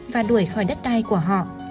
và đuổi khỏi đất đai của họ